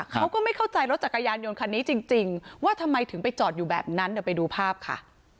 เขาก็ไม่เข้าใจรถจักรยานยนต์คันนี้จริงว่าทำไมถึงไปจอดอยู่แบบนั้นเดี๋ยวไปดูภาพค่ะ